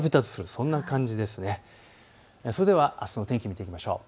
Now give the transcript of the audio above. それではあすの天気見ていきましょう。